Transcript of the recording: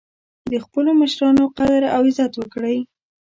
د خپلو مشرانو قدر او عزت وکړئ